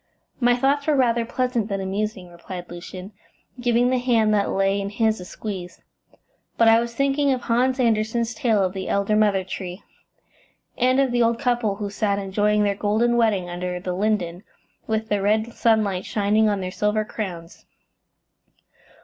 "My thoughts were rather pleasant than amusing," replied Lucian, giving the hand that lay in his a squeeze, "but I was thinking of Hans Andersen's tale of the Elder Mother Tree, and of the old couple who sat enjoying their golden wedding under the linden, with the red sunlight shining on their silver crowns."